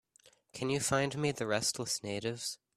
Can you find me the Restless Natives?